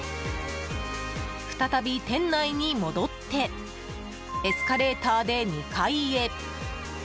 再び店内に戻ってエスカレーターで２階へ。